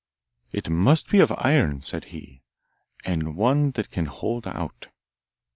'It must be of iron,' said he, 'and one that can hold out.